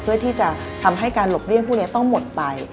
เพื่อที่จะทำให้การหลบเลี่ยงพวกนี้ต้องหมดไป